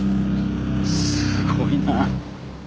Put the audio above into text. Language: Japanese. すごいな。